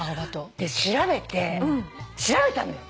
で調べて調べたのよ。